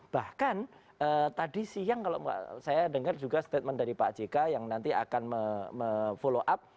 bahkan tadi siang kalau saya dengar juga statement dari pak jk yang nanti akan follow up